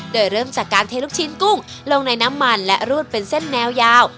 โดยเริ่มจากการเทลูกชิ้นกุ้งลงในน้ำมันและรูดเป็นเส้นแนวยาว